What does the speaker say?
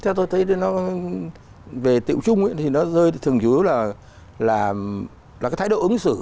theo tôi thấy thì nó về tựu chung thì nó rơi thường dưới là cái thái độ ứng xử